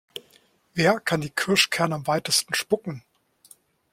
Wer kann die Kirschkerne am weitesten spucken?